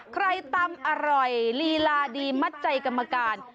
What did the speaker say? ตำอร่อยลีลาดีมัดใจกรรมการ